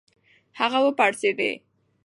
هغه و پړسېډی .